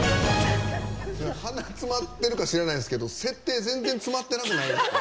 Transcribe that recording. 鼻詰まってるか知らないですけど設定、全然詰まってなくないですか？